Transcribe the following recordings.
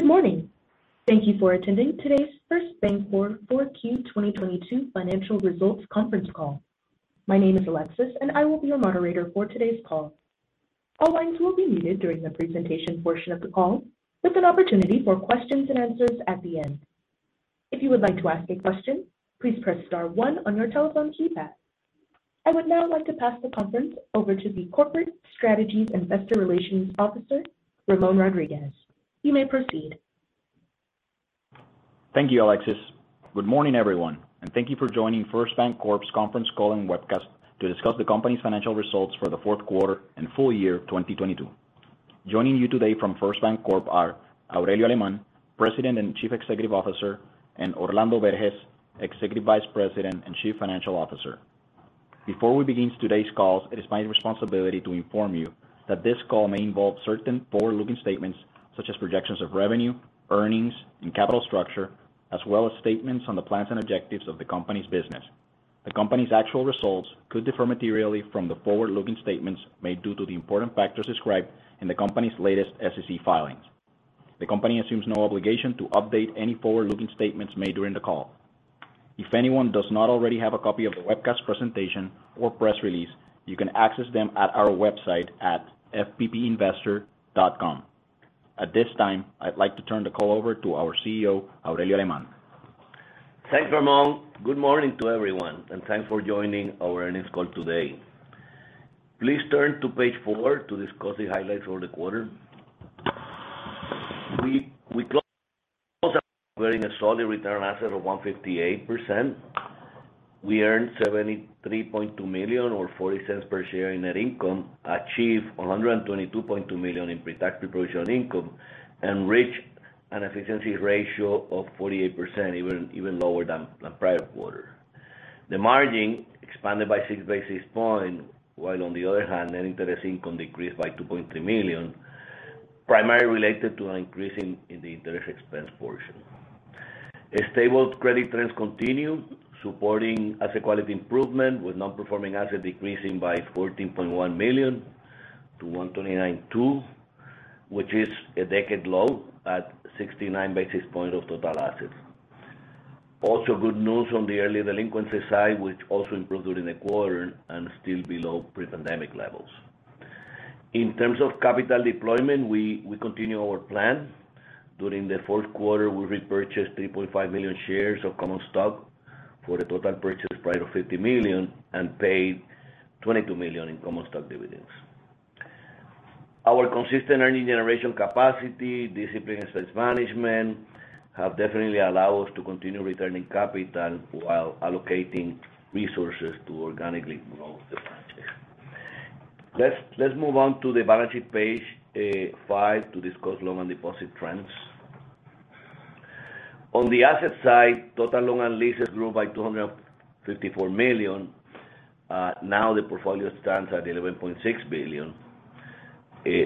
Good morning. Thank you for attending today's First BanCorp 4Q2022 financial results conference call. My name is Alexis, and I will be your moderator for today's call. All lines will be muted during the presentation portion of the call, with an opportunity for questions and answers at the end. If you would like to ask a question, please press star one on your telephone keypad. I would now like to pass the conference over to the Corporate Strategies Investor Relations Officer, Ramon Rodriguez. You may proceed. Thank you, Alexis. Good morning, everyone, and thank you for joining First BanCorp's conference call and webcast to discuss the company's financial results for the fourth quarter and full year of 2022. Joining you today from First BanCorp are Aurelio Alemán, President and Chief Executive Officer, and Orlando Berges, Executive Vice President and Chief Financial Officer. Before we begin today's calls, it is my responsibility to inform you that this call may involve certain forward-looking statements such as projections of revenue, earnings, and capital structure, as well as statements on the plans and objectives of the company's business. The company's actual results could differ materially from the forward-looking statements made due to the important factors described in the company's latest SEC filings. The company assumes no obligation to update any forward-looking statements made during the call. If anyone does not already have a copy of the webcast presentation or press release, you can access them at our website at fbpinvestor.com. At this time, I'd like to turn the call over to our CEO, Aurelio Alemán. Thanks, Ramon. Good morning to everyone, thanks for joining our earnings call today. Please turn to page four to discuss the highlights for the quarter. We closed up with a solid return on assets of 158%. We earned $73.2 million or $0.40 per share in net income, achieved $122.2 million in pre-tax pre-provision income, reached an efficiency ratio of 48%, even lower than the prior quarter. The margin expanded by 6 basis points, while on the other hand, net interest income decreased by $2.3 million, primarily related to an increase in the interest expense portion. A stable credit trends continued, supporting asset quality improvement, with non-performing assets decreasing by $14.1 million to $129.2, which is a decade low at 69 basis point of total assets. Good news on the early delinquency side, which also improved during the quarter and still below pre-pandemic levels. In terms of capital deployment, we continue our plan. During the fourth quarter, we repurchased 3.5 million shares of common stock for a total purchase price of $50 million and paid $22 million in common stock dividends. Our consistent earning generation capacity, disciplined expense management have definitely allowed us to continue returning capital while allocating resources to organically grow the franchise. Let's move on to the balance sheet, page five, to discuss loan and deposit trends. On the asset side, total loans and leases grew by $254 million. Now the portfolio stands at $11.6 billion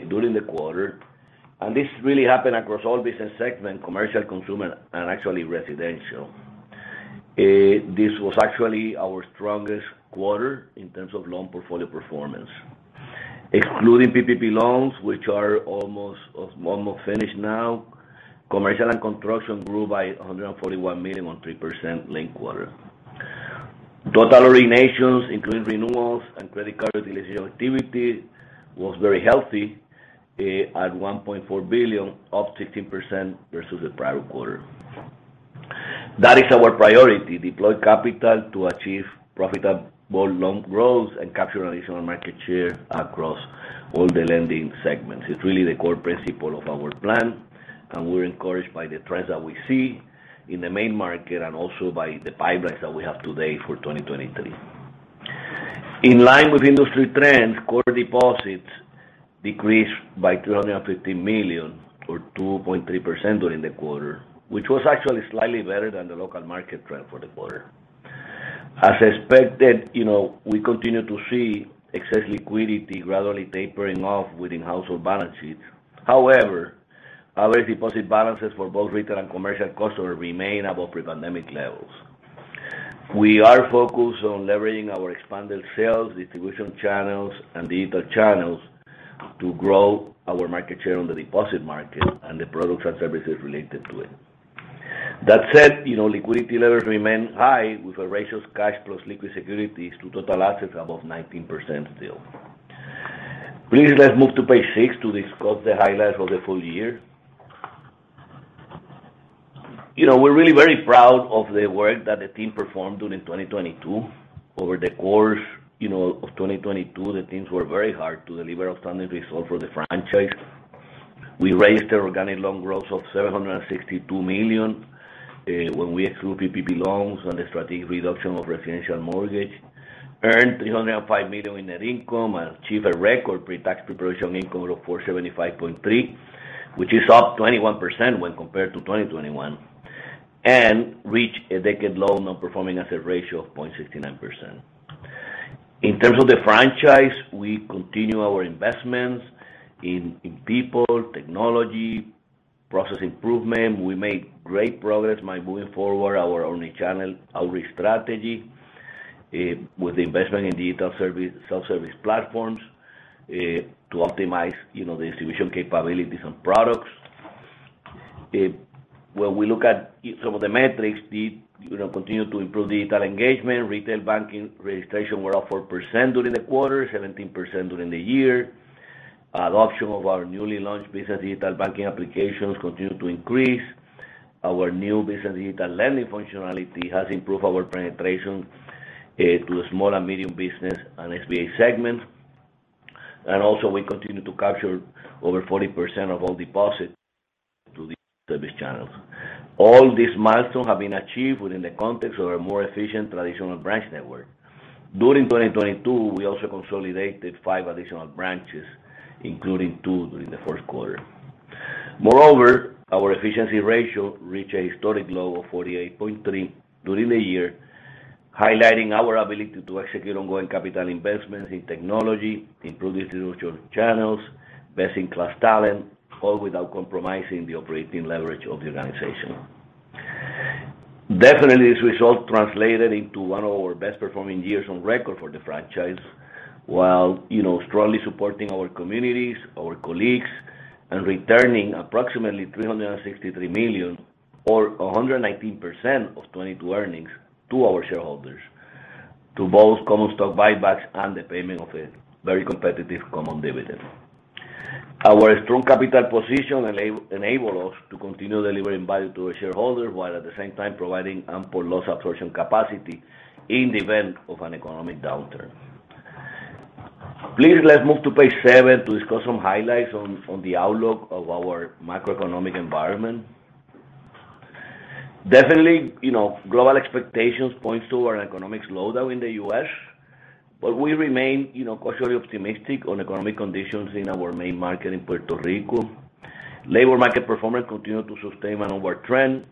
during the quarter. This really happened across all business segments, commercial, consumer, and actually residential. This was actually our strongest quarter in terms of loan portfolio performance. Excluding PPP loans, which are almost finished now, commercial and construction grew by $141 million on 3% linked quarter. Total originations, including renewals and credit card utilization activity, was very healthy at $1.4 billion, up 16% versus the prior quarter. That is our priority, deploy capital to achieve profitable loan growth and capture additional market share across all the lending segments. It's really the core principle of our plan, and we're encouraged by the trends that we see in the main market and also by the pipelines that we have today for 2023. In line with industry trends, quarter deposits decreased by $250 million or 2.3% during the quarter, which was actually slightly better than the local market trend for the quarter. As expected, you know, we continue to see excess liquidity gradually tapering off within household balance sheets. However, our deposit balances for both retail and commercial customers remain above pre-pandemic levels. We are focused on leveraging our expanded sales, distribution channels, and digital channels to grow our market share on the deposit market and the products and services related to it. That said, you know, liquidity levels remain high with our ratios cash plus liquid securities to total assets above 19% still. Please let's move to page six to discuss the highlights of the full year. You know, we're really very proud of the work that the team performed during 2022. Over the course, you know, of 2022, the teams worked very hard to deliver outstanding results for the franchise. We raised organic loan growth of $762 million when we exclude PPP loans and the strategic reduction of residential mortgage, earned $305 million in net income, and achieved a record pre-tax pre-provision income of $475.3 million, which is up 21% when compared to 2021, and reached a decade low non-performing asset ratio of 0.69%. In terms of the franchise, we continue our investments in people, technology, process improvement. We made great progress by moving forward our omnichannel outreach strategy. With the investment in digital service, self-service platforms, to optimize, you know, the distribution capabilities on products. When we look at some of the metrics, the, you know, continue to improve digital engagement, retail banking registration were up 4% during the quarter, 17% during the year. The option of our newly launched business digital banking applications continued to increase. Our new business digital lending functionality has improved our penetration to the small and medium business and SBA segment. We continue to capture over 40% of all deposits through the service channels. All these milestones have been achieved within the context of a more efficient traditional branch network. During 2022, we also consolidated 5 additional branches, including two during the first quarter. Moreover, our efficiency ratio reached a historic low of 48.3 during the year, highlighting our ability to execute ongoing capital investments in technology, improve institutional channels, best-in-class talent, all without compromising the operating leverage of the organization. Definitely, this result translated into one of our best-performing years on record for the franchise, while, you know, strongly supporting our communities, our colleagues, and returning approximately $363 million or 119% of 2022 earnings to our shareholders to both common stock buybacks and the payment of a very competitive common dividend. Our strong capital position enable us to continue delivering value to our shareholders while at the same time providing ample loss absorption capacity in the event of an economic downturn. Please, let's move to page seven to discuss some highlights on the outlook of our macroeconomic environment. Definitely, you know, global expectations points to our economic slowdown in the U.S., we remain, you know, cautiously optimistic on economic conditions in our main market in Puerto Rico. Labor market performance continued to sustain an upward trend.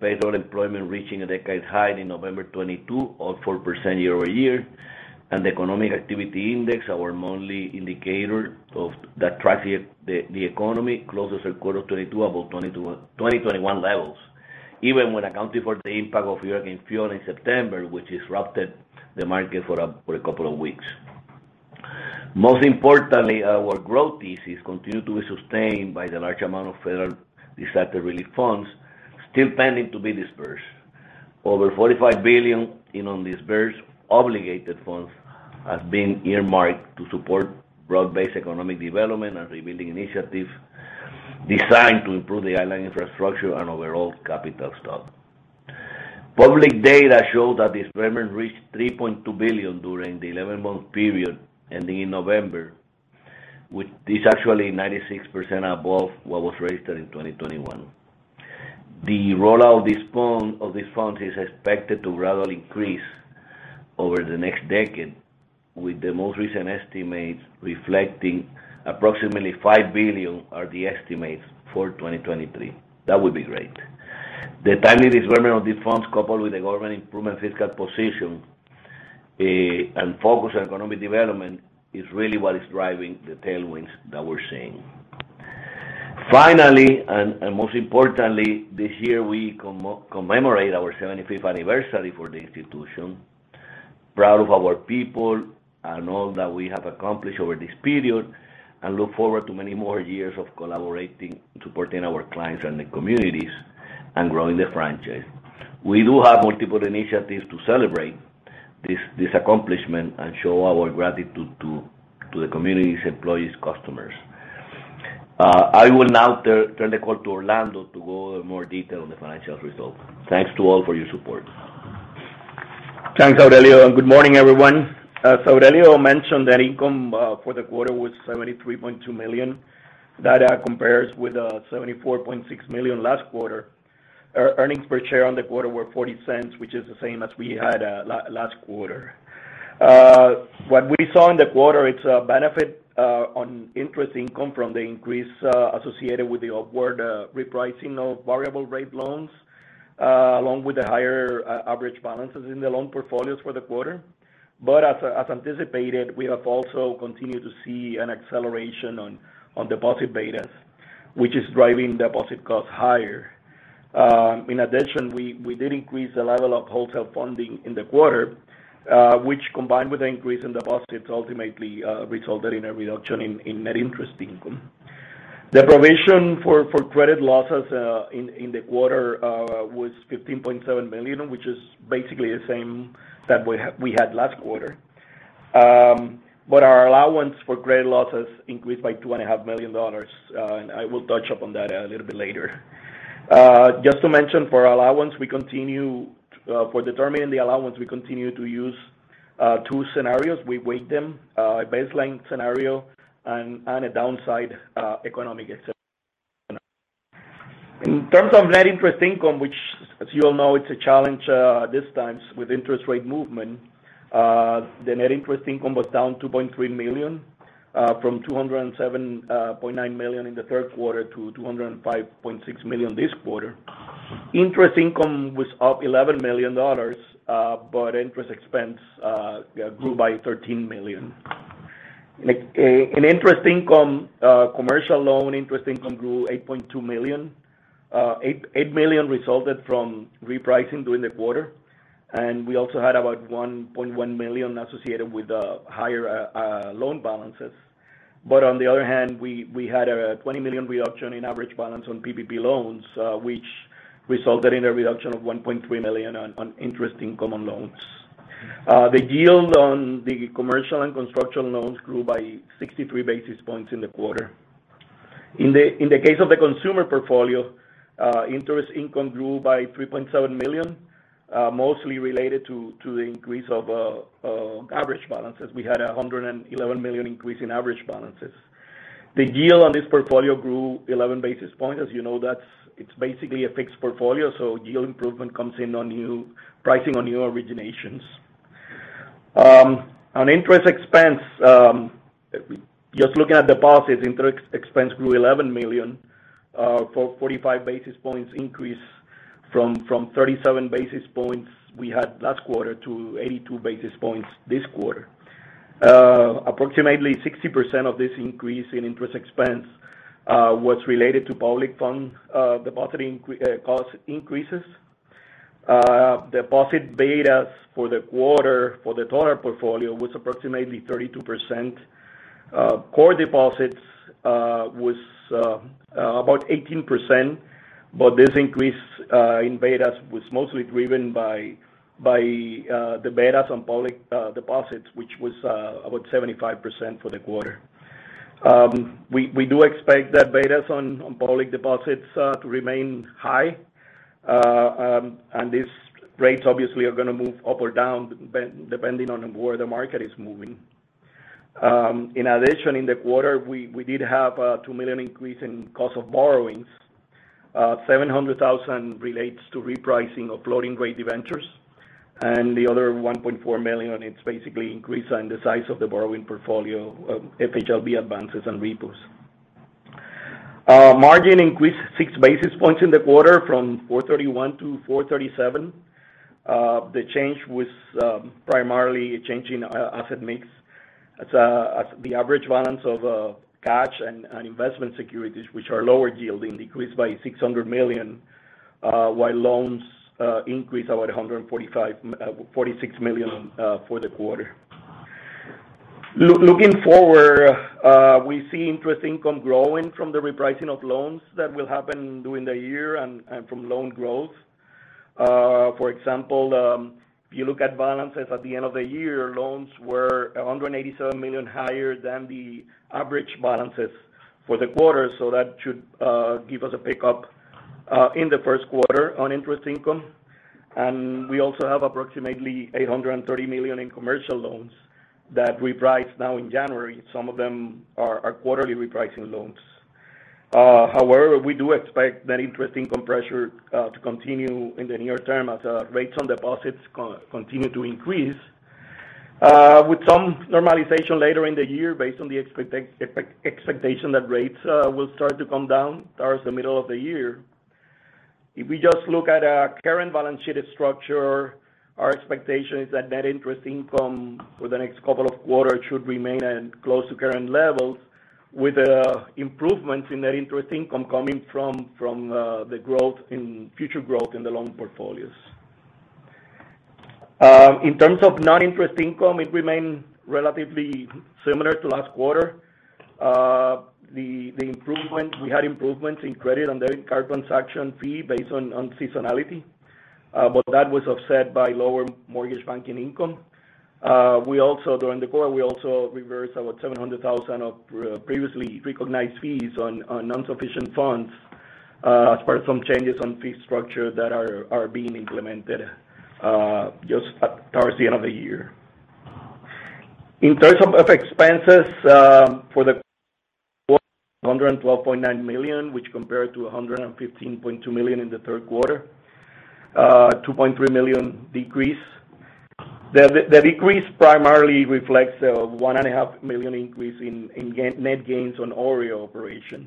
Paid out employment reaching a decade high in November 2022, up 4% year-over-year. The economic activity index, our monthly indicator of that tracks the economy, closes the quarter 2022 above 2021 levels, even when accounting for the impact of Hurricane Fiona in September, which disrupted the market for a couple of weeks. Most importantly, our growth thesis continued to be sustained by the large amount of federal disaster relief funds still pending to be dispersed. Over $45 billion in undisbursed obligated funds has been earmarked to support broad-based economic development and rebuilding initiatives designed to improve the island infrastructure and overall capital stock. Public data show that disbursement reached $3.2 billion during the 11-month period ending in November, with this actually 96% above what was registered in 2021. The rollout of these funds is expected to rather increase over the next decade, with the most recent estimates reflecting approximately $5 billion are the estimates for 2023. That would be great. The timely disbursement of these funds, coupled with the government improvement fiscal position, and focus on economic development, is really what is driving the tailwinds that we're seeing. Finally, and most importantly, this year we commemorate our 75th anniversary for the institution. Proud of our people and all that we have accomplished over this period, and look forward to many more years of collaborating, supporting our clients and the communities and growing the franchise. We do have multiple initiatives to celebrate this accomplishment and show our gratitude to the communities, employees, customers. I will now turn the call to Orlando to go in more detail on the financial results. Thanks to all for your support. Thanks, Aurelio, and good morning, everyone. Aurelio mentioned that income for the quarter was $73.2 million. That compares with $74.6 million last quarter. Earnings per share on the quarter were $0.40, which is the same as we had last quarter. What we saw in the quarter, it's a benefit on interest income from the increase associated with the upward repricing of variable rate loans along with the higher average balances in the loan portfolios for the quarter. As, as anticipated, we have also continued to see an acceleration on deposit betas, which is driving deposit costs higher. In addition, we did increase the level of wholesale funding in the quarter, which combined with an increase in deposits, ultimately, resulted in a reduction in net interest income. The provision for credit losses in the quarter was $15.7 million, which is basically the same that we had last quarter. Our allowance for credit losses increased by two and a half million dollars, and I will touch up on that a little bit later. Just to mention for allowance, for determining the allowance, we continue to use two scenarios. We weight them, a baseline scenario and a downside economic assessment. In terms of net interest income, which as you all know, it's a challenge at this times with interest rate movement, the net interest income was down $2.3 million from $207.9 million in the third quarter to $205.6 million this quarter. Interest income was up $11 million, but interest expense grew by $13 million. In interest income, commercial loan interest income grew $8.2 million. $8 million resulted from repricing during the quarter. We also had about $1.1 million associated with higher loan balances. On the other hand, we had a $20 million reduction in average balance on PPP loans, which resulted in a reduction of $1.3 million on interest income on loans. The yield on the commercial and construction loans grew by 63 basis points in the quarter. In the case of the consumer portfolio, interest income grew by $3.7 million, mostly related to the increase of average balances. We had a $111 million increase in average balances. The yield on this portfolio grew 11 basis points. As you know, it's basically a fixed portfolio, so yield improvement comes in on new pricing, on new originations. On interest expense, just looking at deposits, interest expense grew $11 million for 45 basis points increase from 37 basis points we had last quarter to 82 basis points this quarter. Approximately 60% of this increase in interest expense was related to public funds, depositing cost increases. Deposit betas for the quarter for the total portfolio was approximately 32%. Core deposits was about 18%, but this increase in betas was mostly driven by the betas on public deposits, which was about 75% for the quarter. We do expect that betas on public deposits to remain high. These rates obviously are gonna move up or down depending on where the market is moving. In addition, in the quarter, we did have a $2 million increase in cost of borrowings. $700 thousand relates to repricing of floating-rate debentures, and the other $1.4 million is basically increase on the size of the borrowing portfolio, FHLB advances and repos. Margin increased 6 basis points in the quarter from 431 to 437. The change was primarily a change in asset mix. As the average balance of cash and investment securities, which are lower yielding, decreased by $600 million, while loans increased about 145, $46 million for the quarter. Looking forward, we see interest income growing from the repricing of loans that will happen during the year and from loan growth. For example, if you look at balances at the end of the year, loans were $187 million higher than the average balances for the quarter. That should give us a pickup in the first quarter on interest income. We also have approximately $830 million in commercial loans that reprice now in January. Some of them are quarterly repricing loans. However, we do expect that interest income pressure to continue in the near term as rates on deposits continue to increase, with some normalization later in the year based on the expectation that rates will start to come down towards the middle of the year. If we just look at our current balance sheet structure, our expectation is that net interest income for the next couple of quarters should remain at close to current levels with improvements in net interest income coming from future growth in the loan portfolios. In terms of non-interest income, it remained relatively similar to last quarter. We had improvements in credit on debt card transaction fee based on seasonality, but that was offset by lower mortgage banking income. We also, during the quarter, reversed about $700,000 of previously recognized fees on insufficient funds as part of some changes on fee structure that are being implemented just towards the end of the year. In terms of expenses, for the quarter, $112.9 million, which compared to $115.2 million in the third quarter, a $2.3 million decrease. The decrease primarily reflects a one and a half million increase in net gains on OREO operation.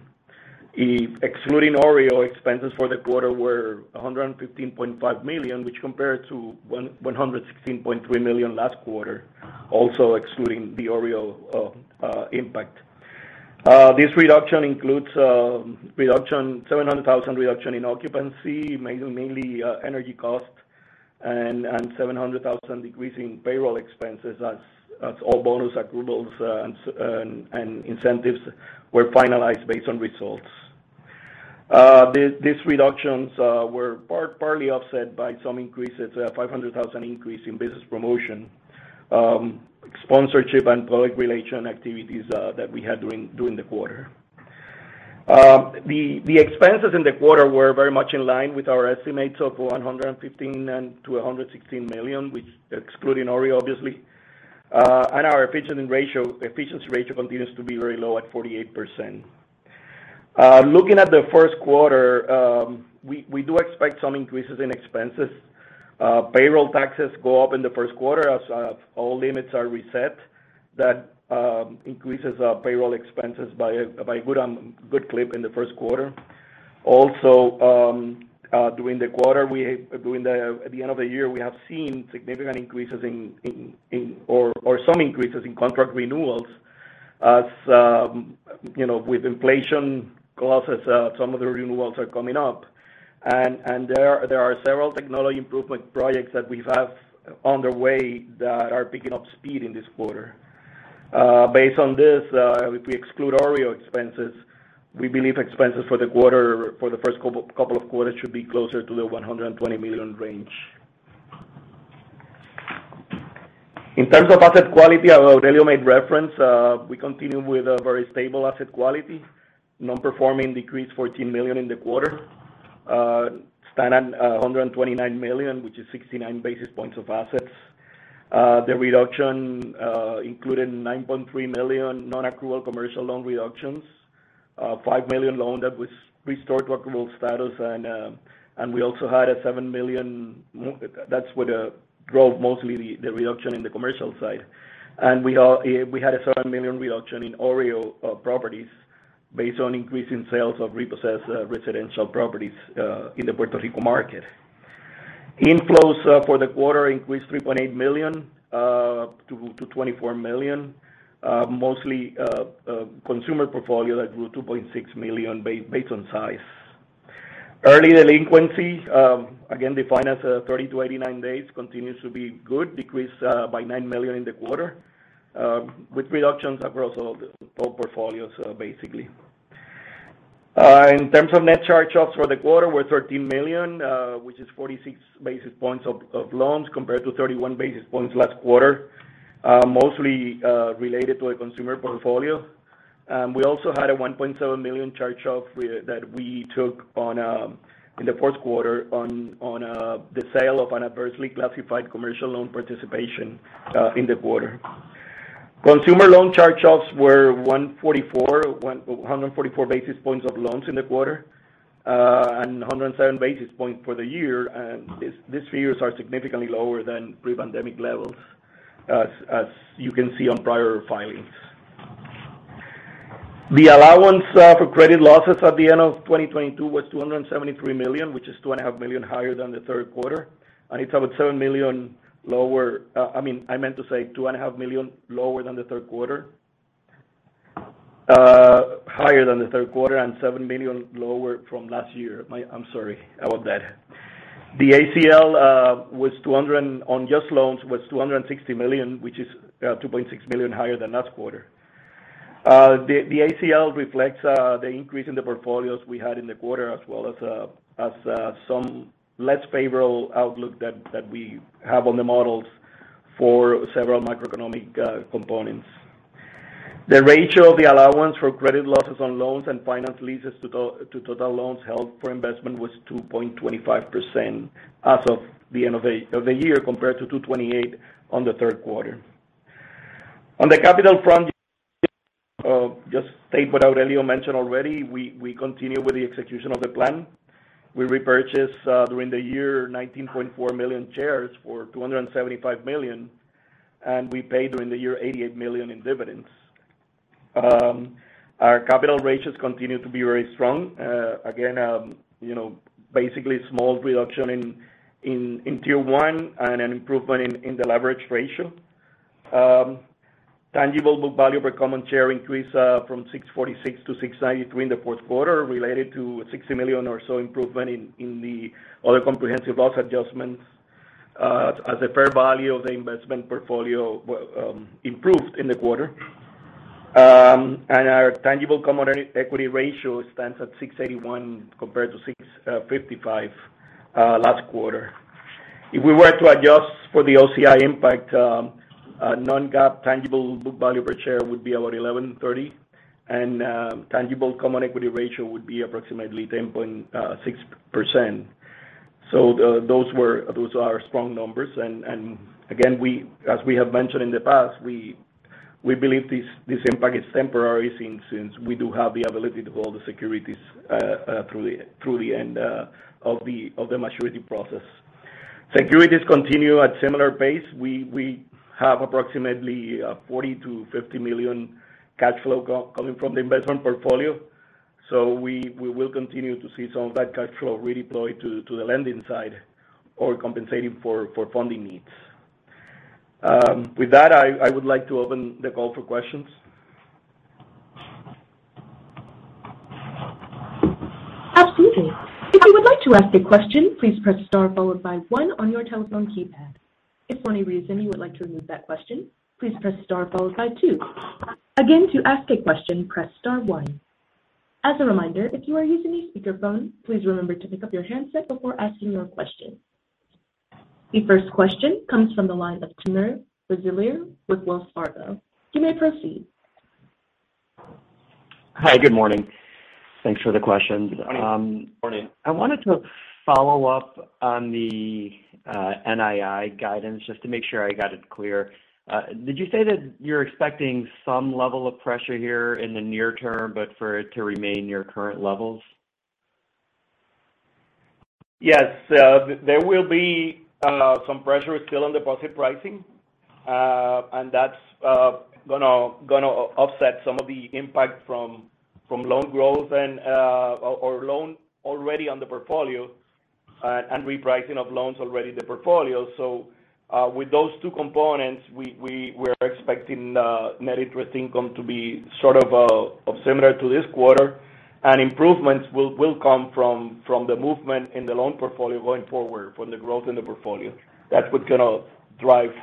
In excluding OREO, expenses for the quarter were $115.5 million, which compared to $116.3 million last quarter, also excluding the OREO impact. This reduction includes a $700,000 reduction in occupancy, mainly energy cost and a $700,000 decrease in payroll expenses as all bonus accruals and incentives were finalized based on results. These reductions were partly offset by some increases, $500,000 increase in business promotion, sponsorship and public relation activities that we had during the quarter. The expenses in the quarter were very much in line with our estimates of $115 million-$116 million, which excluding OREO, obviously. Our efficiency ratio continues to be very low at 48%. Looking at the first quarter, we do expect some increases in expenses. Payroll taxes go up in the first quarter as all limits are reset. That increases payroll expenses by a good clip in the first quarter. During the at the end of the year, we have seen significant increases in or some increases in contract renewals as, you know, with inflation clauses, some of the renewals are coming up. There are several technology improvement projects that we have underway that are picking up speed in this quarter. Based on this, if we exclude OREO expenses, we believe expenses for the quarter, for the first couple of quarters should be closer to the $120 million range. In terms of asset quality, as Aurelio Alemán made reference, we continue with a very stable asset quality. Non-performing decreased $14 million in the quarter, stand at $129 million, which is 69 basis points of assets. The reduction included $9.3 million non-accrual commercial loan reductions, $5 million loan that was restored to accrual status. We also had a $7 million. That's what drove mostly the reduction in the commercial side. We had a $7 million reduction in OREO properties based on increasing sales of repossessed residential properties in the Puerto Rico market. Inflows for the quarter increased $3.8 million to $24 million, mostly consumer portfolio that grew $2.6 million based on size. Early delinquency, again, defined as 30 to 89 days continues to be good, decreased by $9 million in the quarter, with reductions across all portfolios, basically. In terms of net charge-offs for the quarter were $13 million, which is 46 basis points of loans compared to 31 basis points last quarter, mostly related to a consumer portfolio. We also had a $1.7 million charge-off that we took on in the fourth quarter on the sale of an adversely classified commercial loan participation in the quarter. Consumer loan charge-offs were 144 basis points of loans in the quarter, and 107 basis points for the year. These figures are significantly lower than pre-pandemic levels as you can see on prior filings. The allowance for credit losses at the end of 2022 was $273 million, which is two and a half million higher than the third quarter. It's about $7 million lower. I mean, I meant to say two and a half million lower than the third quarter, higher than the third quarter and $7 million lower from last year. I'm sorry about that. The ACL on just loans was $260 million, which is $2.6 million higher than last quarter. The ACL reflects the increase in the portfolios we had in the quarter, as well as some less favorable outlook that we have on the models for several microeconomic components. The ratio of the allowance for credit losses on loans and finance leases to total loans held for investment was 2.25% as of the end of the year, compared to 2.28% on the third quarter. On the capital front, just state what Aurelio mentioned already, we continue with the execution of the plan. We repurchased during the year 19.4 million shares for $275 million. We paid during the year $88 million in dividends. Our capital ratios continue to be very strong. Again, you know, basically small reduction in tier one and an improvement in the leverage ratio. Tangible book value per common share increased from 646 to 693 in the fourth quarter, related to a $60 million or so improvement in the other comprehensive loss adjustments, as the fair value of the investment portfolio improved in the quarter. And our tangible common equity ratio stands at 681 compared to 655 last quarter. If we were to adjust for the OCI impact, non-GAAP tangible book value per share would be about 1,130, and tangible common equity ratio would be approximately 10.6%. The, those are strong numbers. Again, we, as we have mentioned in the past, we believe this impact is temporary since we do have the ability to call the securities through the end of the maturity process. Securities continue at similar pace. We have approximately $40 million-$50 million cash flow coming from the investment portfolio. We will continue to see some of that cash flow redeployed to the lending side or compensating for funding needs. With that, I would like to open the call for questions. Absolutely. If you would like to ask a question, please press star followed by one on your telephone keypad. If for any reason you would like to remove that question, please press star followed by two. Again, to ask a question, press star one. As a reminder, if you are using a speakerphone, please remember to pick up your handset before asking your question. The first question comes from the line of Timur Braziler with Wells Fargo. You may proceed. Good morning. Hi, good morning. Thanks for the questions. Good morning. Morning. I wanted to follow up on the NII guidance just to make sure I got it clear. Did you say that you're expecting some level of pressure here in the near term, but for it to remain your current levels? Yes. There will be some pressure still on deposit pricing. That's gonna offset some of the impact from loan growth and or loan already on the portfolio and repricing of loans already in the portfolio. With those two components, we're expecting net interest income to be sort of similar to this quarter. Improvements will come from the movement in the loan portfolio going forward from the growth in the portfolio. That's what's gonna drive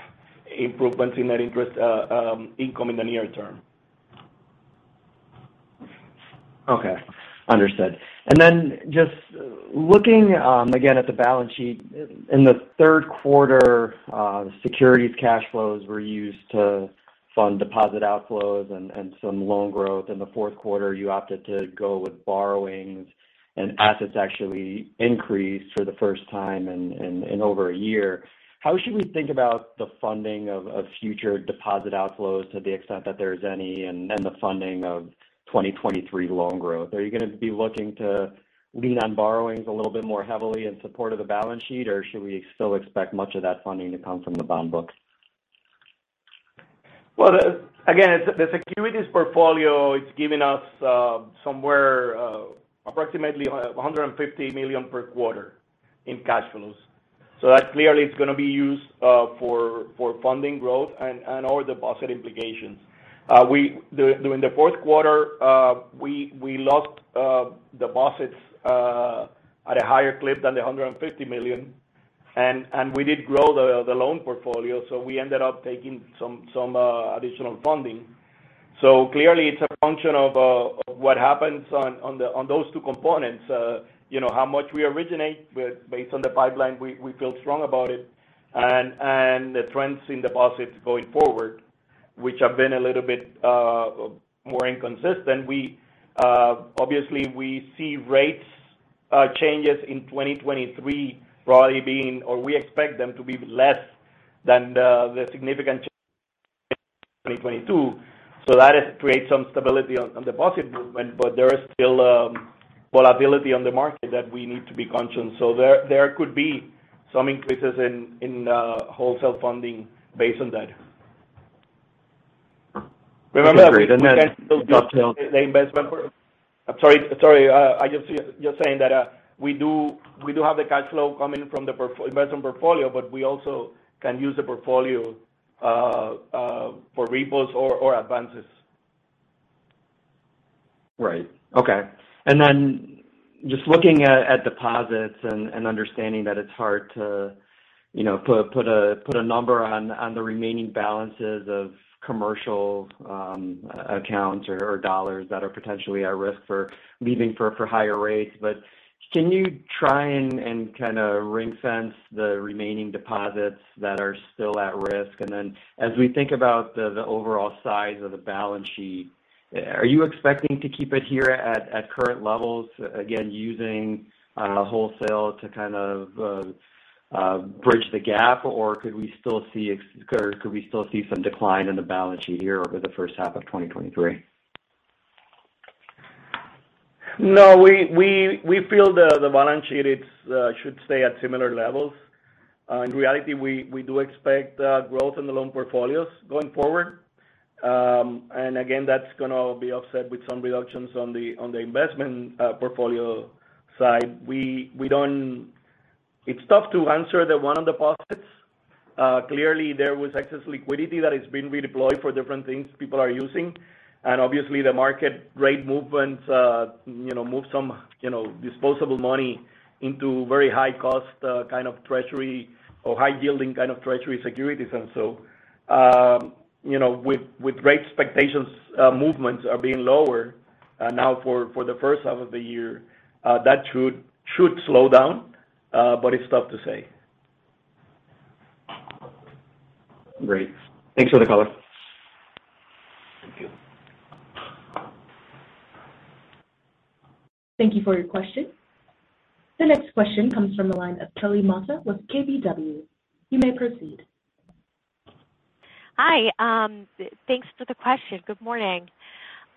improvements in net interest income in the near term. Okay. Understood. Just looking, again, at the balance sheet. In the third quarter, securities cash flows were used to fund deposit outflows and some loan growth. In the fourth quarter, you opted to go with borrowings, and assets actually increased for the first time in over a year. How should we think about the funding of future deposit outflows to the extent that there's any, and then the funding of 2023 loan growth? Are you gonna be looking to lean on borrowings a little bit more heavily in support of the balance sheet, or should we still expect much of that funding to come from the bond book? Well, again, the securities portfolio is giving us somewhere approximately $150 million per quarter in cash flows. That clearly is gonna be used for funding growth and all deposit implications. During the fourth quarter, we lost deposits at a higher clip than the $150 million. We did grow the loan portfolio, so we ended up taking some additional funding. Clearly, it's a function of what happens on those two components. You know, how much we originate with based on the pipeline, we feel strong about it. The trends in deposits going forward, which have been a little bit more inconsistent. We obviously we see rates changes in 2023 broadly being, or we expect them to be less than the significant changes in 2022. That creates some stability on some deposit movement, but there is still volatility on the market that we need to be conscious. There could be some increases in wholesale funding based on that. Okay, great. Remember, I'm sorry. just saying that, we do have the cash flow coming from the investment portfolio, but we also can use the portfolio for repos or advances. Right. Okay. Then just looking at deposits and understanding that it's hard to, you know, put a, put a number on the remaining balances of commercial accounts or dollars that are potentially at risk for leaving for higher rates. Can you try and kinda ring-fence the remaining deposits that are still at risk? Then as we think about the overall size of the balance sheet, are you expecting to keep it here at current levels, again, using wholesale to kind of bridge the gap, or could we still see some decline in the balance sheet here over the first half of 2023? No, we feel the balance sheet it's should stay at similar levels. In reality, we do expect growth in the loan portfolios going forward. Again, that's gonna be offset with some reductions on the investment portfolio side. We don't. It's tough to answer the one on deposits. Clearly there was excess liquidity that has been redeployed for different things people are using. Obviously the market rate movements, you know, moved some, you know, disposable money into very high cost, kind of treasury or high yielding kind of treasury securities. You know, with rate expectations, movements are being lower now for the first half of the year. That should slow down, but it's tough to say. Great. Thanks for the color. Thank you. Thank you for your question. The next question comes from the line of Kelly Motta with KBW. You may proceed. Hi. Thanks for the question. Good morning. Good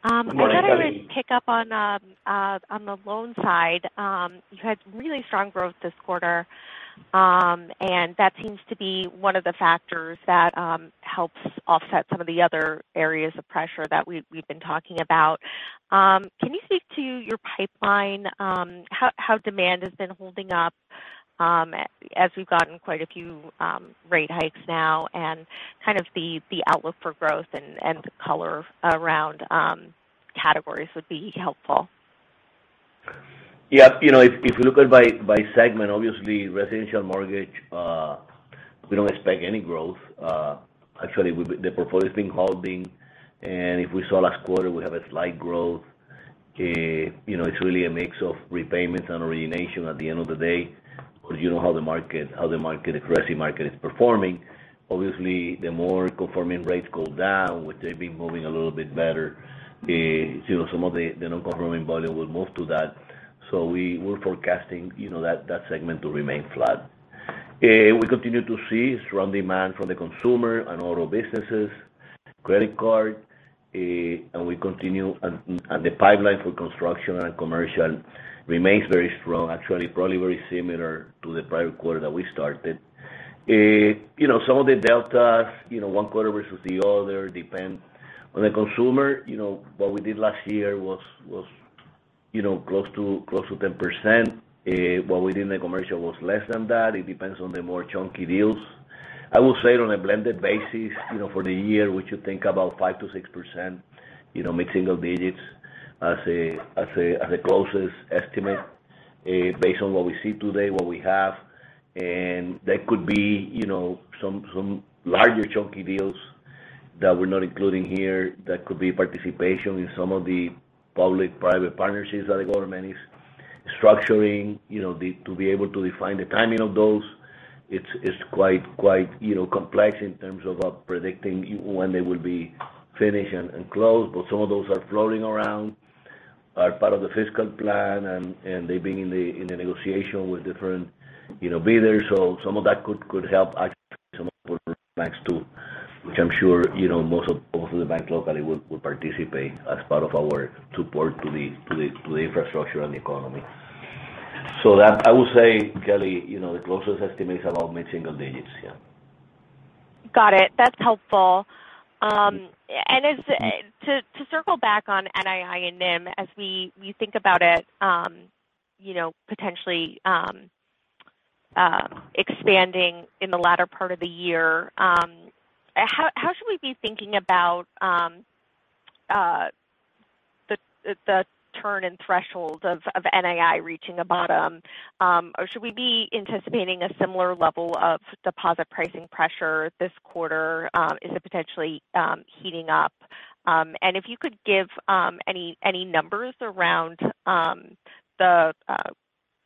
morning, Kelly. I thought I would pick up on on the loan side. You had really strong growth this quarter, and that seems to be one of the factors that helps offset some of the other areas of pressure that we've been talking about. Can you speak to your pipeline, how demand has been holding up, as we've gotten quite a few rate hikes now and kind of the outlook for growth and color around categories would be helpful. Yeah. You know, if you look at by segment, obviously, residential mortgage, we don't expect any growth. Actually, the portfolio has been holding, and if we saw last quarter, we have a slight growth. You know, it's really a mix of repayments and origination at the end of the day, because you know how the market, the crazy market is performing. Obviously, the more conforming rates go down, which they've been moving a little bit better, you know, some of the non-conforming volume will move to that. We're forecasting, you know, that segment to remain flat. We continue to see strong demand from the consumer and auto businesses, credit card, and the pipeline for construction and commercial remains very strong, actually, probably very similar to the prior quarter that we started. You know, some of the deltas, you know, one quarter versus the other depend on the consumer. You know, what we did last year was, you know, close to 10%. What we did in the commercial was less than that. It depends on the more chunky deals. I will say it on a blended basis, you know, for the year, we should think about 5%-6%, you know, mid-single digits as a closest estimate, based on what we see today, what we have. There could be, you know, some larger chunky deals that we're not including here that could be participation with some of the public-private partnerships that the government is structuring. You know, the to be able to define the timing of those, it's quite, you know, complex in terms of predicting when they will be finished and closed. Some of those are floating around, are part of the fiscal plan and they've been in the negotiation with different, you know, bidders. Some of that could help actually some of the banks too, which I'm sure, you know, most of the banks locally would participate as part of our support to the infrastructure and the economy. I would say, Kelly, you know, the closest estimate is about mid-single digits, yeah. Got it. That's helpful. As you think about it, you know, potentially expanding in the latter part of the year, how should we be thinking about the turn and threshold of NII reaching a bottom? Should we be anticipating a similar level of deposit pricing pressure this quarter? Is it potentially heating up? If you could give any numbers around the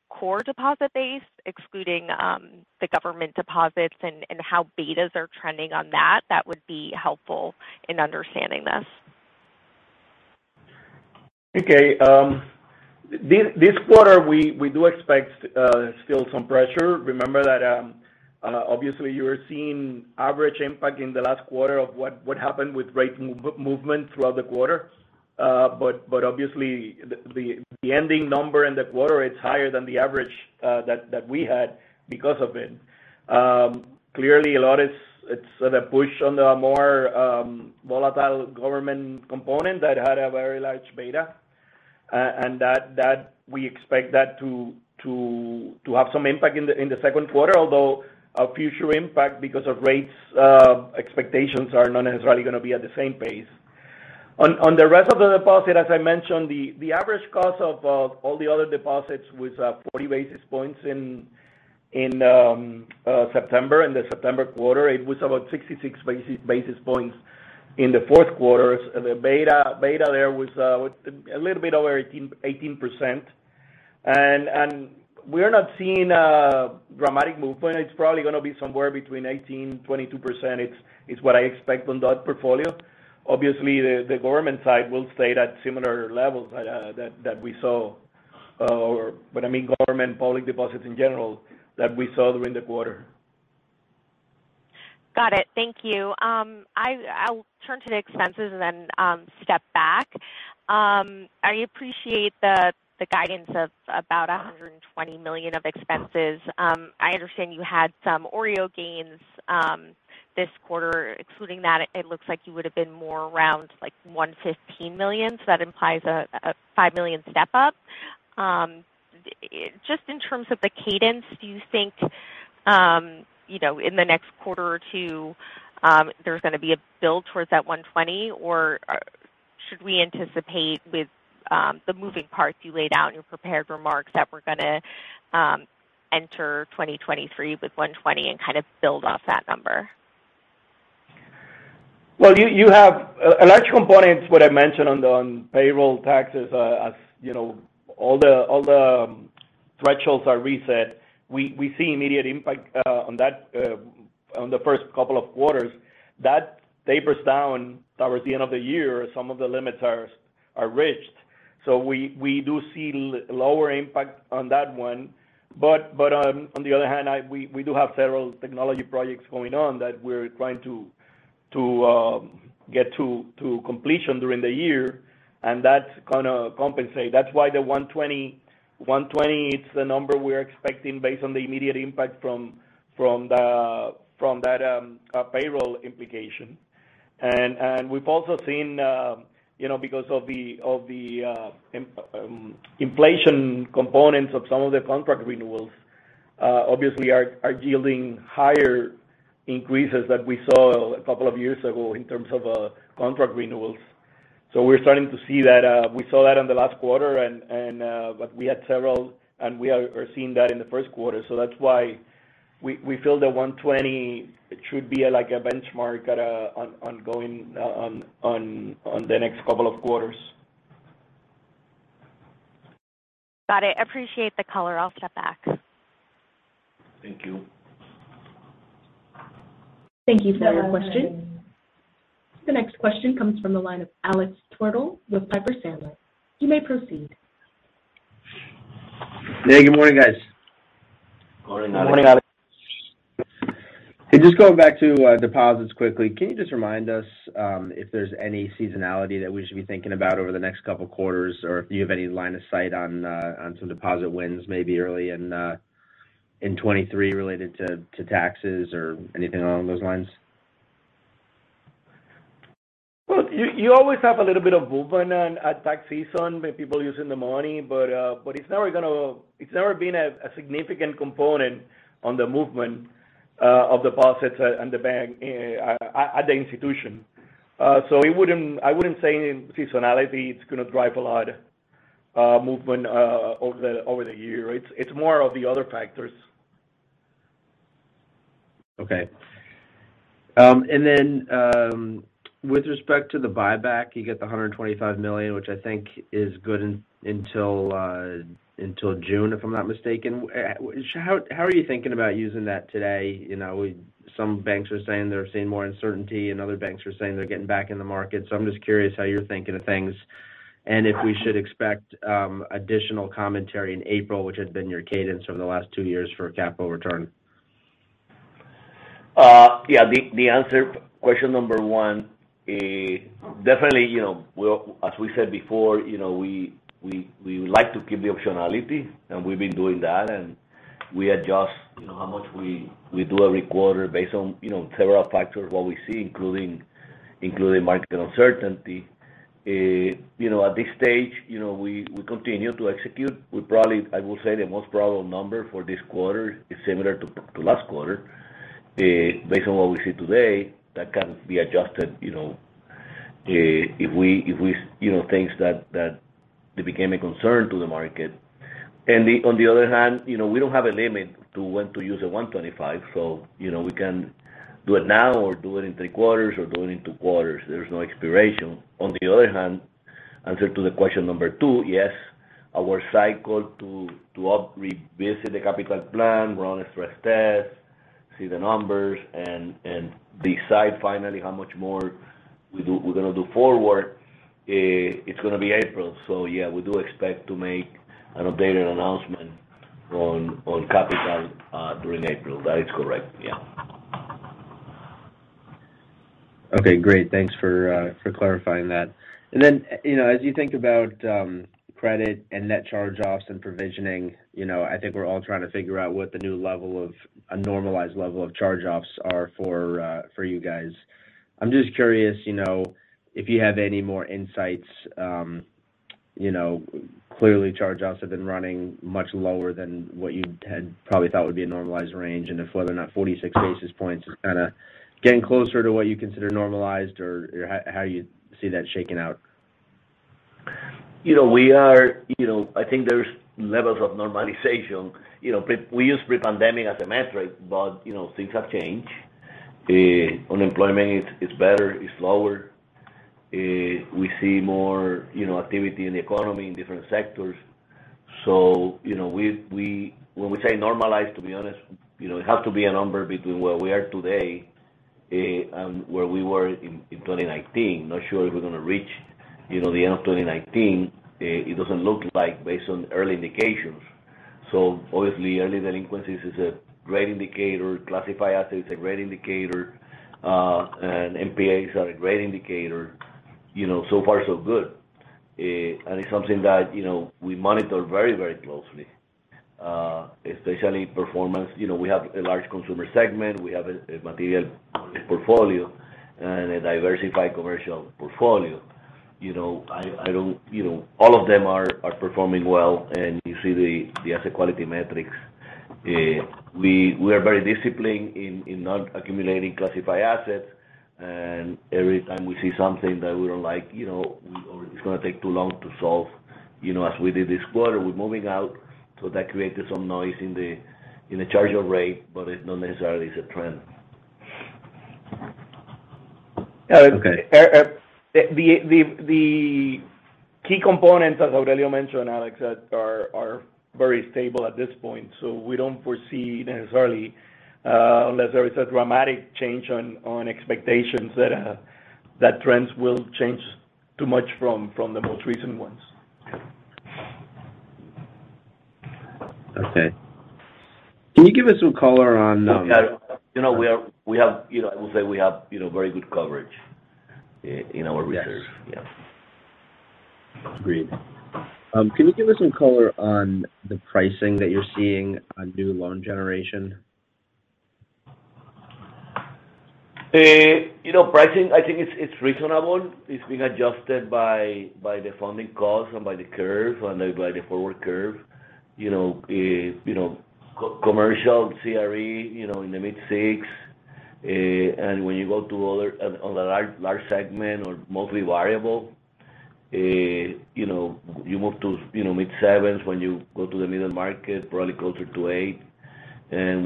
core deposit base, excluding the government deposits and how betas are trending on that would be helpful in understanding this. This quarter we do expect still some pressure. Remember that, obviously you're seeing average impact in the last quarter of what happened with rate movement throughout the quarter. Obviously the ending number in the quarter is higher than the average that we had because of it. Clearly a lot, it's the push on the more volatile government component that had a very large beta. We expect that to have some impact in the second quarter, although a future impact because of rates, expectations are not necessarily going to be at the same pace. On the rest of the deposit, as I mentioned, the average cost of all the other deposits was 40 basis points in September, in the September quarter. It was about 66 basis points in the fourth quarter. The beta there was a little bit over 18%. We're not seeing a dramatic movement. It's probably gonna be somewhere between 18%-22% is what I expect on that portfolio. Obviously, the government side will stay at similar levels that we saw. I mean government, public deposits in general that we saw during the quarter. Got it. Thank you. I'll turn to the expenses and then step back. I appreciate the guidance of about $120 million of expenses. I understand you had some OREO gains this quarter. Excluding that, it looks like you would have been more around, like, $115 million. That implies a $5 million step up. Just in terms of the cadence, do you think, you know, in the next quarter or two, there's gonna be a build towards that $120? Should we anticipate with the moving parts you laid out in your prepared remarks that we're gonna enter 2023 with $120 and kind of build off that number? You have a large component is what I mentioned on payroll taxes, as you know, all the thresholds are reset. We see immediate impact on that, on the first couple of quarters. That tapers down towards the end of the year, some of the limits are reached. We do see lower impact on that one. On the other hand, we do have several technology projects going on that we're trying to get to completion during the year, that's gonna compensate. That's why the $120 is the number we're expecting based on the immediate impact from the, from that payroll implication. We've also seen, you know, because of the inflation components of some of the contract renewals, obviously are yielding higher increases that we saw a couple of years ago in terms of contract renewals. We're starting to see that. We saw that in the last quarter and, but we had several, and we are seeing that in the first quarter. That's why we feel that 120 should be like a benchmark on going on the next couple of quarters. Got it. Appreciate the color. I'll step back. Thank you. Thank you for your question. The next question comes from the line of Alex Twerdahl with Piper Sandler. You may proceed. Hey, good morning, guys. Morning, Alex. Good morning, Alex. Hey, just going back to deposits quickly. Can you just remind us if there's any seasonality that we should be thinking about over the next couple quarters, or if you have any line of sight on some deposit wins maybe early in 2023 related to taxes or anything along those lines? Look, you always have a little bit of movement on, at tax season by people using the money, but it's never been a significant component on the movement of deposits on the bank at the institution. I wouldn't say any seasonality is gonna drive a lot movement over the year. It's more of the other factors. Then, with respect to the buyback, you get the $125 million, which I think is good until June, if I'm not mistaken. How are you thinking about using that today? You know, some banks are saying they're seeing more uncertainty, and other banks are saying they're getting back in the market. I'm just curious how you're thinking of things, and if we should expect additional commentary in April, which had been your cadence over the last two years for a capital return. Yeah. The answer, question number one, definitely, you know, as we said before, you know, we would like to keep the optionality, and we've been doing that. We adjust, you know, how much we do every quarter based on, you know, several factors, what we see, including market uncertainty. You know, at this stage, you know, we continue to execute. I will say the most probable number for this quarter is similar to last quarter. Based on what we see today, that can be adjusted, you know, if we, if we, you know, things that they became a concern to the market. On the other hand, you know, we don't have a limit to when to use the 125. You know, we can do it now or do it in three quarters or do it in two quarters. There's no expiration. On the other hand, answer to the question number two, yes, our cycle to revisit the capital plan, run a stress test, see the numbers and decide finally how much more we're gonna do forward, it's gonna be April. Yeah, we do expect to make an updated announcement on capital, during April. That is correct. Yeah. Okay, great. Thanks for for clarifying that. You know, as you think about credit and net charge-offs and provisioning, you know, I think we're all trying to figure out what the new level of a normalized level of charge-offs are for for you guys. I'm just curious, you know, if you have any more insights, you know, clearly charge-offs have been running much lower than what you had probably thought would be a normalized range, and if whether or not 46 basis points is kinda getting closer to what you consider normalized or, how you see that shaking out? You know, we are, you know, I think there's levels of normalization. You know, we use pre-pandemic as a metric, but you know, things have changed. Unemployment is better, is lower. We see more, you know, activity in the economy in different sectors. You know, we, when we say normalized, to be honest, you know, it has to be a number between where we are today, and where we were in 2019. Not sure if we're gonna reach, you know, the end of 2019. It doesn't look like based on early indications. Obviously, early delinquencies is a great indicator. Classified assets, a great indicator. And MPAs are a great indicator. You know, so far so good. And it's something that, you know, we monitor very, very closely, especially performance. You know, we have a large consumer segment. We have a material portfolio and a diversified commercial portfolio. You know, all of them are performing well, and you see the asset quality metrics. We are very disciplined in not accumulating classified assets. Every time we see something that we don't like, you know, or it's gonna take too long to solve, you know, as we did this quarter, we're moving out. That created some noise in the charge-off rate, but it's not necessarily is a trend. Okay. The key components, as Aurelio Alemán mentioned, Alex Twerdahl, are very stable at this point. We don't foresee necessarily, unless there is a dramatic change on expectations that trends will change too much from the most recent ones. Okay. Can you give us some color on? You know, I will say we have, you know, very good coverage in our reserves. Yes. Yeah. Agreed. Can you give us some color on the pricing that you're seeing on new loan generation? You know, pricing, I think it's reasonable. It's being adjusted by the funding costs and by the curve and by the forward curve. You know, you know, commercial CRE, you know, in the mid 6%. When you go to on the large segment or mostly variable, you know, you move to, you know, mid 7% when you go to the middle market, probably closer to 8%.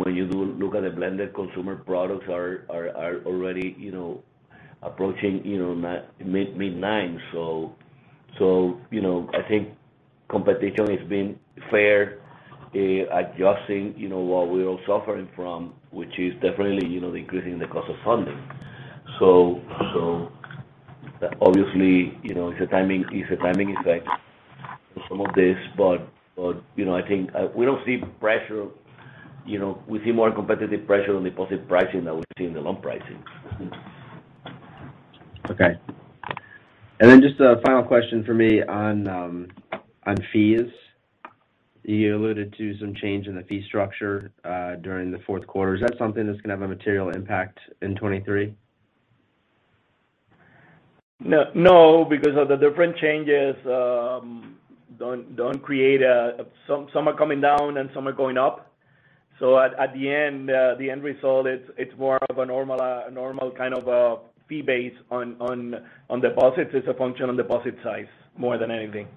When you do look at the blended consumer products are already, you know, approaching, you know, mid 9%. you know, I think competition has been fair, adjusting, you know, what we're all suffering from, which is definitely, you know, increasing the cost of funding. obviously, you know, it's a timing effect for some of this. you know, I think we don't see pressure. You know, we see more competitive pressure on deposit pricing than we see in the loan pricing. Okay. Then just a final question from me on fees. You alluded to some change in the fee structure during the fourth quarter. Is that something that's gonna have a material impact in 2023? No, no, because of the different changes, Some are coming down and some are going up. At the end, the end result, it's more of a normal kind of a fee base on deposits. It's a function on deposit size more than anything.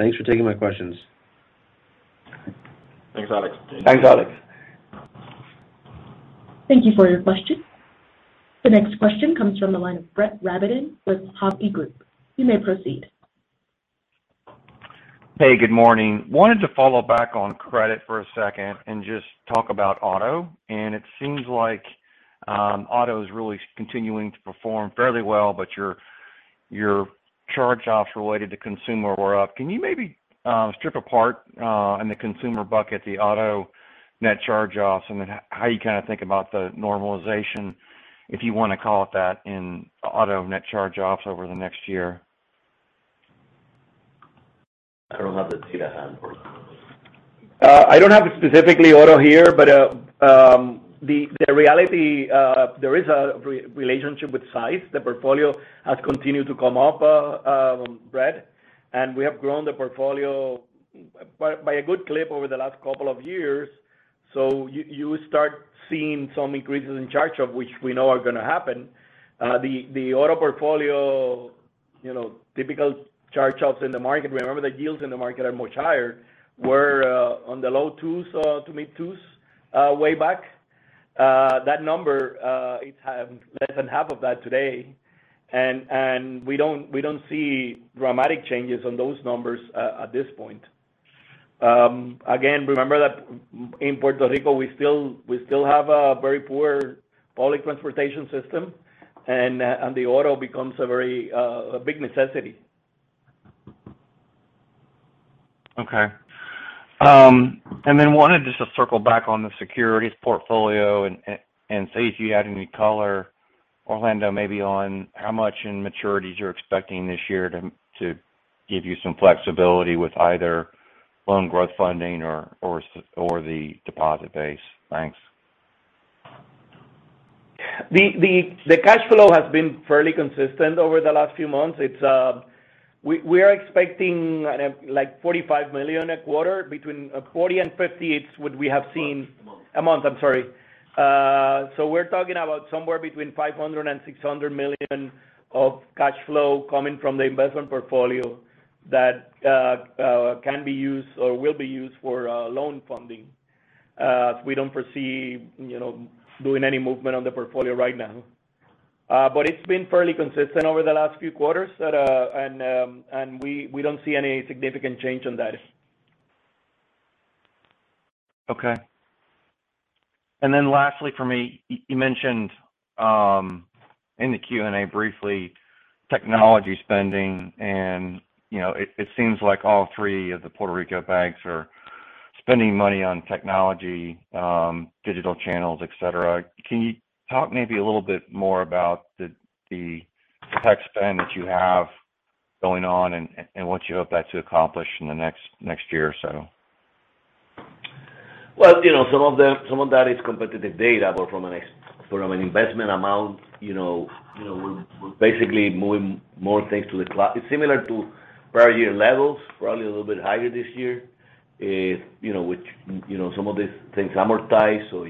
Great. Thanks for taking my questions. Thanks, Alex. Thanks, Alex. Thank you for your question. The next question comes from the line of Brett Rabatin with Hovde Group. You may proceed. Hey, good morning. Wanted to follow back on credit for a second and just talk about auto. It seems like, auto is really continuing to perform fairly well, but your charge-offs related to consumer were up. Can you maybe, strip apart, in the consumer bucket the auto net charge-offs, and then how you kinda think about the normalization, if you wanna call it that, in auto net charge-offs over the next year? I don't have the data at hand for auto. I don't have specifically auto here, but the reality, there is a relationship with size. The portfolio has continued to come up, Brett Rabatin, we have grown the portfolio by a good clip over the last couple of years. You start seeing some increases in charge-off, which we know are gonna happen. The auto portfolio, you know, typical charge-offs in the market, remember the yields in the market are much higher. We're on the low twos to mid twos way back. That number, it's less than half of that today. We don't see dramatic changes on those numbers at this point. Again, remember that in Puerto Rico, we still have a very poor public transportation system, and the auto becomes a very, a big necessity. Okay. wanted just to circle back on the securities portfolio and see if you had any color, Orlando, maybe on how much in maturities you're expecting this year to give you some flexibility with either loan growth funding or the deposit base? Thanks. The cash flow has been fairly consistent over the last few months. It's we are expecting like $45 million a quarter, between 40 and 50, it's what we have seen. A month. A month. I'm sorry. We're talking about somewhere between $500 million-$600 million of cash flow coming from the investment portfolio that can be used or will be used for loan funding. We don't foresee, you know, doing any movement on the portfolio right now. It's been fairly consistent over the last few quarters at and we don't see any significant change on that. Okay. Lastly for me, you mentioned, in the Q&A briefly technology spending and, you know, it seems like all three of the Puerto Rico banks are spending money on technology, digital channels, et cetera. Can you talk maybe a little bit more about the tech spend that you have going on and what you hope that to accomplish in the next year or so? Well, you know, some of that is competitive data. From an investment amount, you know, you know, we're basically moving more things to the It's similar to prior year levels, probably a little bit higher this year. You know, which, you know, some of these things amortize, so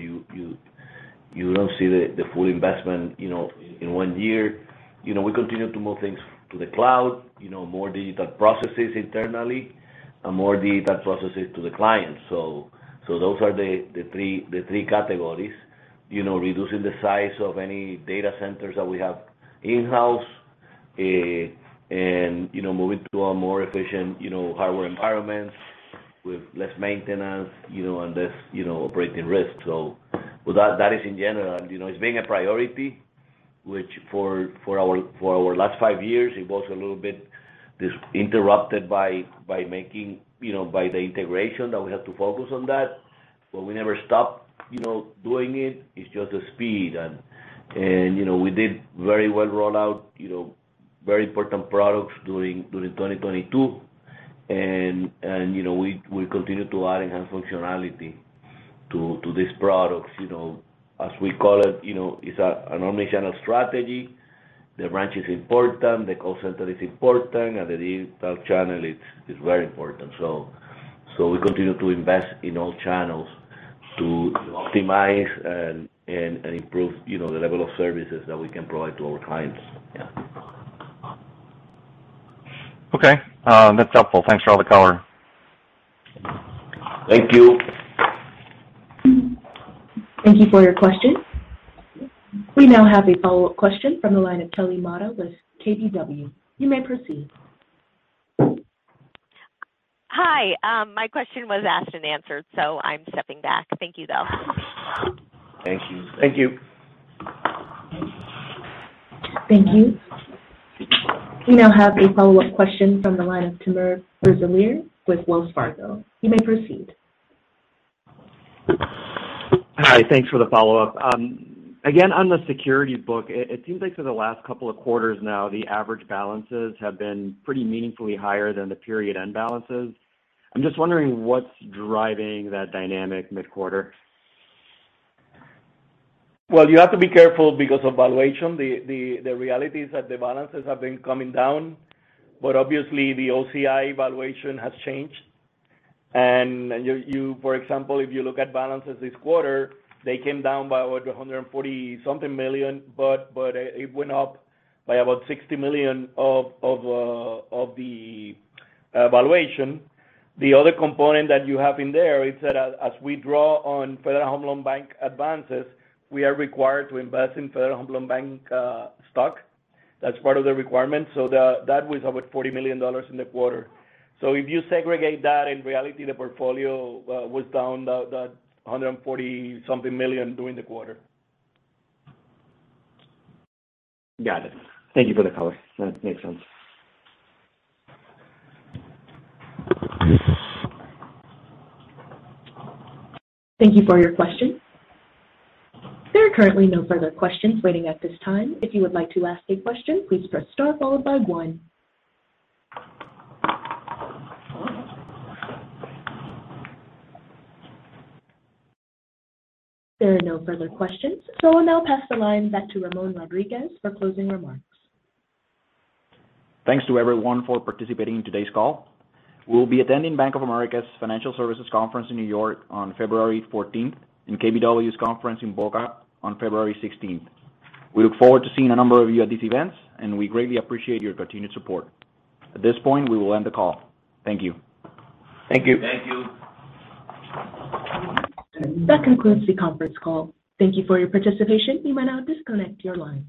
you don't see the full investment, you know, in one year. You know, we continue to move things to the cloud, you know, more digital processes internally and more digital processes to the client. Those are the three categories. You know, reducing the size of any data centers that we have in-house. You know, moving to a more efficient, you know, hardware environments with less maintenance, you know, and less, you know, operating risk. With that is in general. You know, it's being a priority, which for our last five years, it was a little bit interrupted by making, you know, by the integration that we had to focus on that. We never stopped, you know, doing it. It's just the speed. You know, we did very well rollout, you know, very important products during 2022. You know, we continue to add enhanced functionality to these products. You know, as we call it, you know, it's an omnichannel strategy. The branch is important, the call center is important, and the digital channel is very important. We continue to invest in all channels to optimize and improve, you know, the level of services that we can provide to our clients. Yeah. Okay. That's helpful. Thanks for all the color. Thank you. Thank you for your question. We now have a follow-up question from the line of Kelly Motta with KBW. You may proceed. Hi. My question was asked and answered, so I'm stepping back. Thank you, though. Thank you. Thank you. Thank you. We now have a follow-up question from the line of Timur Braziler with Wells Fargo. You may proceed. Hi. Thanks for the follow-up. Again, on the securities book, it seems like for the last couple of quarters now, the average balances have been pretty meaningfully higher than the period end balances. I'm just wondering what's driving that dynamic mid-quarter. Well, you have to be careful because of valuation. The reality is that the balances have been coming down, obviously the OCI valuation has changed. You for example, if you look at balances this quarter, they came down by about 140 something million, it went up by about $60 million of the valuation. The other component that you have in there is that as we draw on Federal Home Loan Bank advances, we are required to invest in Federal Home Loan Bank stock. That's part of the requirement. That was about $40 million in the quarter. If you segregate that, in reality, the portfolio was down the 140 something million during the quarter. Got it. Thank you for the color. That makes sense. Thank you for your question. There are currently no further questions waiting at this time. If you would like to ask a question, please press star followed by one. There are no further questions, so I'll now pass the line back to Ramon Rodriguez for closing remarks. Thanks to everyone for participating in today's call. We'll be attending Bank of America's Financial Services Conference in New York on February 14th and KBW's conference in Boca on February 16th. We look forward to seeing a number of you at these events, and we greatly appreciate your continued support. At this point, we will end the call. Thank you. Thank you. Thank you. This concludes the conference call. Thank you for your participation. You may now disconnect your line.